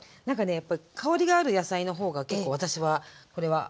やっぱり香りがある野菜の方が結構私はこれは好きかな。